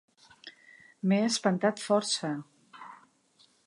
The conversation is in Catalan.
M"he espantat força.